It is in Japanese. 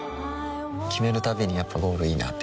決めるたびにやっぱゴールいいなってふん